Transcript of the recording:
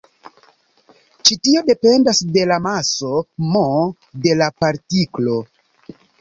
Ĉi tio dependas de la maso "m" de la partiklo.